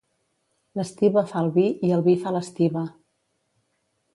L'estiba fa el vi i el vi fa l'estiba.